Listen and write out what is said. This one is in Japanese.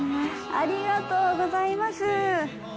ありがとうございます。